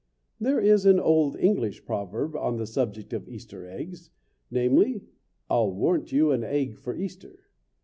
There is an old English proverb on the subject of Easter eggs, namely: "I'll warrant you an egg for Easter."